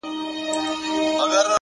اراده د داخلي ضعف دیوالونه نړوي.!